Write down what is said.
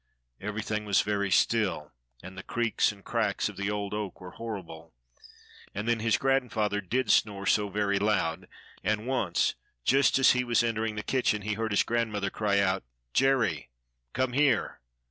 Everything was very still, and the creaks and cracks of the old oak were horrible, and then his grandfather did snore so very loud, and once just as he was entering the kitchen he heard his grandmother cry out: "Jerry, come here!"